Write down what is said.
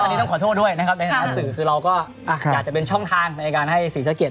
อันนี้ต้องขอโทษด้วยนะครับในฐานะสื่อคือเราก็อยากจะเป็นช่องทางในการให้ศรีสะเกด